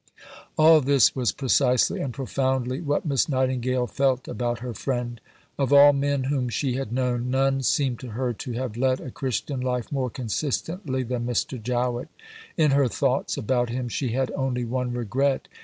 All this was precisely and profoundly what Miss Nightingale felt about her friend. Of all men whom she had known, none seemed to her to have led a Christian life more consistently than Mr. Jowett. In her thoughts about him she had only one regret.